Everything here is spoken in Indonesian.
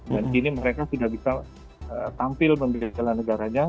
dan kini mereka sudah bisa tampil membeli jalan negaranya